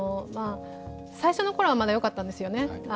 最初のころは、まだよかったんですよね。